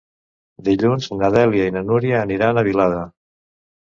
Dilluns na Dèlia i na Núria aniran a Vilada.